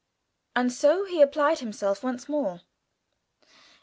And so he applied himself once more.